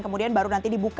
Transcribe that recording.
kemudian baru nanti dibuka